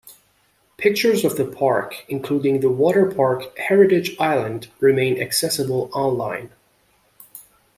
Pictures of the park, including the water park Heritage Island, remain accessible online.